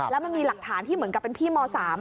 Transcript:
แล้วมันมีหลักฐานที่เหมือนกับเป็นพี่ม๓